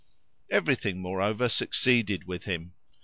Everything, moreover, succeeded with him.